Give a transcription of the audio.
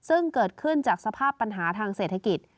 ซึ่งเกิดขึ้นจากสภาพปัญหาทางเศรษฐกิจ